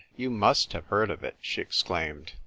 " You must have heard of it," she exclaimed.